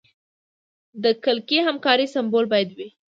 د کلکې همکارۍ سمبول باید وي.